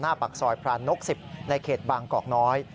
ปากซอยพรานนก๑๐ในเขตบางกอกน้อย